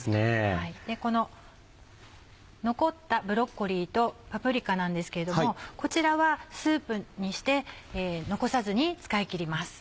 この残ったブロッコリーとパプリカなんですけれどもこちらはスープにして残さずに使い切ります。